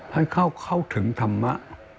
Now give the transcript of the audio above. ให้เข้าถึงธรรมะ